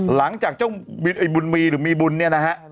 หลังจากเจ้าบุญมีหรือมีบุญเนี่ยนะฮะ